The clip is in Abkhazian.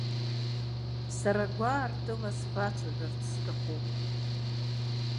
Сара гәаар-тыла сбацәажәарц сҭахуп.